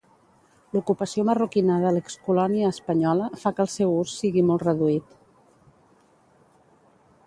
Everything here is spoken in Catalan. L'ocupació marroquina de l'excolònia espanyola fa que el seu ús sigui molt reduït.